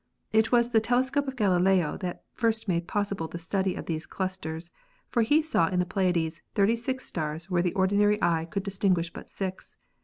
It was the telescope of Galileo that first made possible the study of these clusters, for he saw in the Pleiades 36 stars where the ordinary eye could dis tinguish but six.